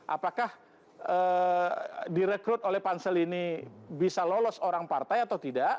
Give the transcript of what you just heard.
apakah direkrut oleh pansel ini bisa lolos orang partai atau tidak